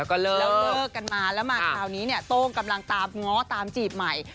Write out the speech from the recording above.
แล้วเลิกกันมาแล้วมาคราวนี้เนี่ยโต้งกำลังตามง้อตามจีบใหม่